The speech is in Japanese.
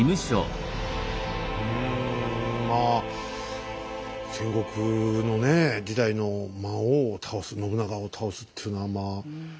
うんまあ戦国のね時代の魔王を倒す信長を倒すっていうのはまあすごい。